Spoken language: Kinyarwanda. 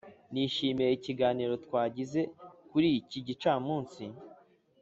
nishimiye ikiganiro twagize kuri iki gicamunsi.